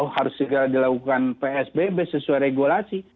harus segera dilakukan psbb sesuai regulasi